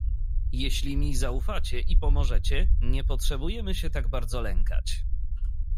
"Jeśli mi zaufacie i pomożecie, nie potrzebujemy się tak bardzo lękać."